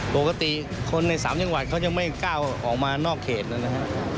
ปกติคนใน๓จังหวัดเขายังไม่กล้าออกมานอกเขตนะครับ